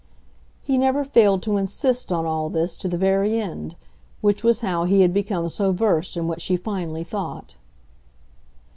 He never failed to insist on all this to the very end; which was how he had become so versed in what she finally thought.